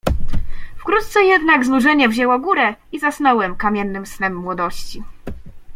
"Wkrótce jednak znużenie wzięło górę i zasnąłem kamiennym snem młodości."